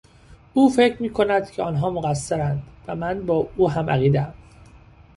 او فکر میکند که آنها مقصرند و من با او همعقیدهام.